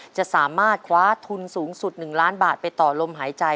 จะสามารถคว้าทุนสูงสุด๑ล้านบาทไปต่อลมหายใจ